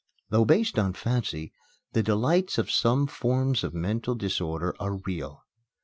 Though based on fancy, the delights of some forms of mental disorder are real.